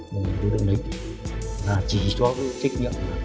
một đối tượng đấy là chỉ cho trách nhiệm